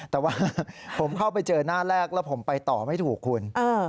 แต่ว่าผมเข้าไปเจอหน้าแรกแล้วผมไปต่อไม่ถูกคุณ